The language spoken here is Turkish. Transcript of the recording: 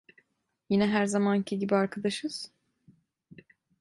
Yine her zamanki gibi arkadaşız?